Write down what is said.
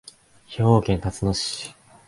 兵庫県たつの市